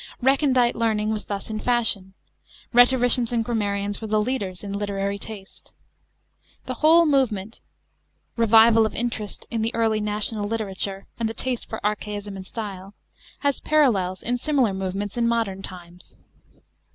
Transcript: Recondite learning was thus in fashion ; rhetoricians and gram marians were the leaders in library taste. The whole movement — revival of interest in the early national literature, and the taste for archaism in style — has parallels in similar movements in modern times.